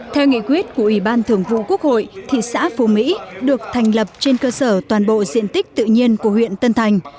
theo nghị quyết của ủy ban thường vụ quốc hội thị xã phú mỹ được thành lập trên cơ sở toàn bộ diện tích tự nhiên của huyện tân thành